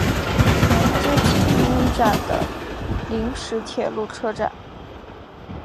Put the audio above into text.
田井之滨站的临时铁路车站。